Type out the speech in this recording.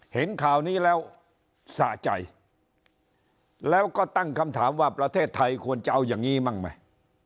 เห็นข่าวนี้แล้วสะใจแล้วก็ตั้งคำถามว่าประเทศไทยควรจะเอาอย่างนี้บ้างไหม